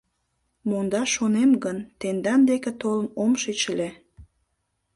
— Мондаш шонем гын, тендан деке толын ом шич ыле.